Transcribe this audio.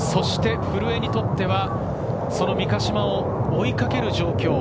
そして古江にとってはその三ヶ島を追い掛ける状況。